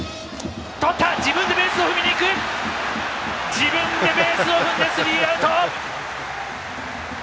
自分でベースを踏みに行ってスリーアウト。